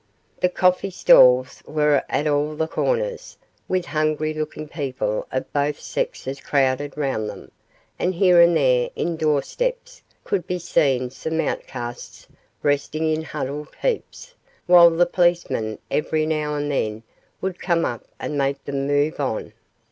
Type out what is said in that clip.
The coffee stalls were at all the corners, with hungry looking people of both sexes crowded round them, and here and there in door steps could be seen some outcasts resting in huddled heaps, while the policemen every now and then would come up and make them move on.